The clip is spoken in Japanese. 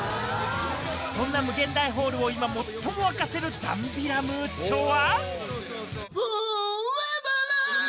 そんな∞ホールを今最も沸かせるダンビラムーチョは。